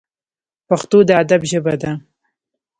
پښتو د ادب ژبه ده